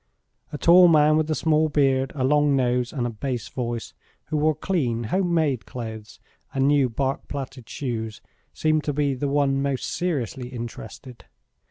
A tall man with a small beard, a long nose, and a bass voice, who wore clean, home made clothes and new bark plaited shoes, seemed to be the one most seriously interested.